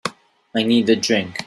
I need a drink.